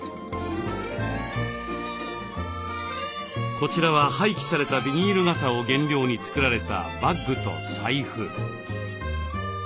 こちらは廃棄されたビニール傘を原料に作られたバッグと財布。